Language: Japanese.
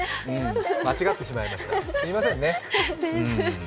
間違ってしまいましたすいませんね。